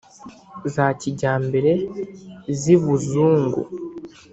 Za kijyambere z' ibuzungu